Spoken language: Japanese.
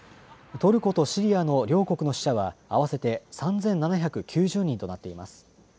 トルコとシリアの両国の死者は合わせて３７９０人となっています。